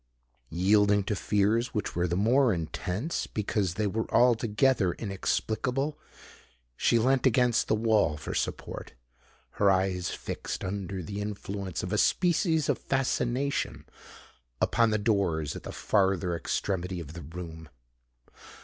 Yielding to fears which were the more intense because they were altogether inexplicable, she leant against the wall for support—her eyes fixed, under the influence of a species of fascination, upon the doors at the farther extremity of the room.